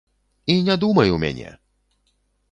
І не думай у мяне!